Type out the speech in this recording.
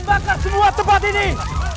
jangan sampai ada yang tersisa